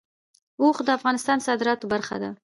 اوښ د افغانستان د صادراتو برخه ده.